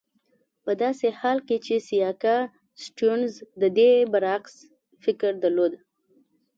په داسې حال کې چې سیاکا سټیونز د دې برعکس فکر درلود.